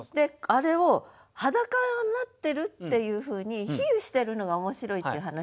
あれを裸になってるっていうふうに比喩してるのが面白いっていう話なの。